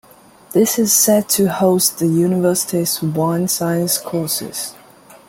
This is set to host the University's Wine Science courses.